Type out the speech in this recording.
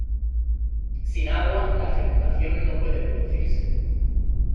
Sin agua, la fecundación no puede producirse.